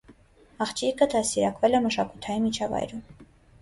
Աղջիկը դաստիարակվել է մշակութային միջավայրում։